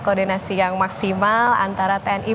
koordinasi yang maksimal antara tni